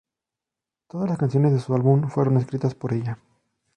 Todas las canciones de su álbum fueron escritas por ella.